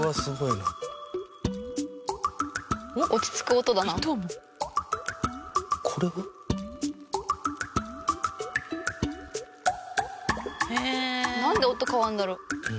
なんで音変わるんだろう？